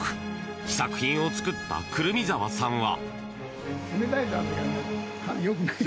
試作品を作った胡桃澤さんは。